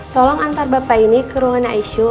tolong antar bapak ini ke ruang icu